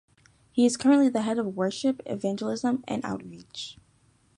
He is currently the head of Worship, Evangelism and Outreach.